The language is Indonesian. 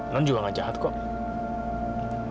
non juga gak jahat kok